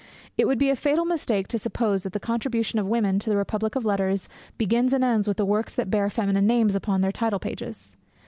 It would be a fatal mistake to suppose that the contribution of women to the republic of letters begins and ends with the works that bear feminine names upon their title pages.